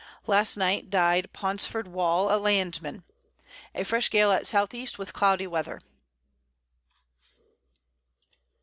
Last Night died Paunceford Wall, a Land man. A fresh Gale at S. E. with cloudy Weather.